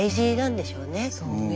そうね。